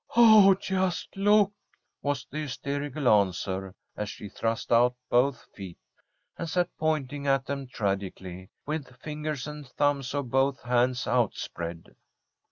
Oh, just look!" was the hysterical answer, as she thrust out both feet, and sat pointing at them tragically, with fingers and thumbs of both hands outspread.